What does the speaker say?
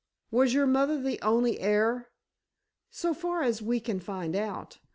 "Was your mother the only heir?" "So far as we can find out.